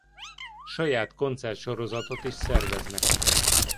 Saját koncert-sorozatot is szerveznek.